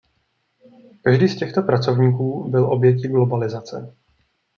Každý z těchto pracovníků byl obětí globalizace.